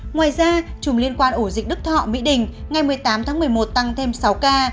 ngoài ra chùm liên quan ổ dịch đức thọ mỹ đình ngày một mươi tám tháng một mươi một tăng thêm sáu ca